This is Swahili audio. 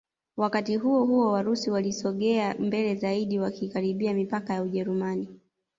Wakati huohuo Warusi walisogea mbele zaidi wakikaribia mipaka ya Ujerumani